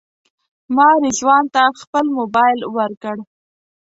ما رضوان ته خپل موبایل ورکړ.